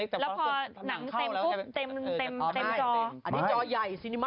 อันนี้จอใหญ่ซีนิมัส